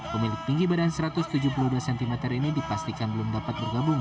pemilik tinggi badan satu ratus tujuh puluh dua cm ini dipastikan belum dapat bergabung